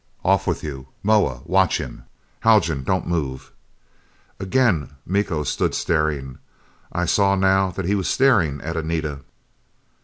"Off with you! Moa, watch him! Haljan, don't move!" Again Miko stood staring. I saw now that he was staring at Anita!